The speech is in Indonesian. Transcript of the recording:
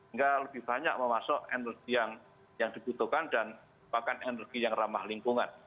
hingga lebih banyak memasuk energi yang dibutuhkan dan bahkan energi yang ramah lingkungan